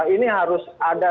ini harus ada